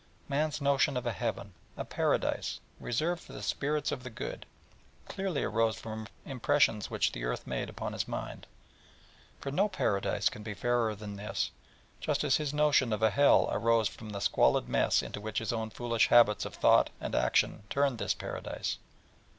Man's notion of a Heaven, a Paradise, reserved for the spirits of the good, clearly arose from impressions which the earth made upon his mind: for no Paradise can be fairer than this; just as his notion of a Hell arose from the squalid mess into which his own foolish habits of thought and action turned this Paradise.